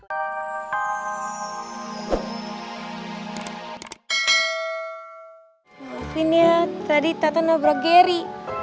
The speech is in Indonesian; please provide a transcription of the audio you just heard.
maafin ya tadi tata nabrak gary